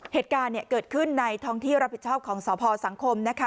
เหตุการณ์เกิดขึ้นในท้องที่รับผิดชอบของสพสังคมนะคะ